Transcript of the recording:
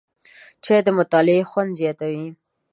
چای د مطالعې خوند زیاتوي